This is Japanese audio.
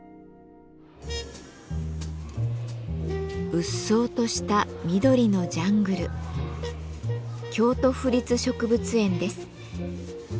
うっそうとした緑のジャングル京都府立植物園です。